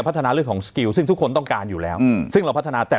พัฒนาเรื่องของสกิลซึ่งทุกคนต้องการอยู่แล้วอืมซึ่งเราพัฒนาแต่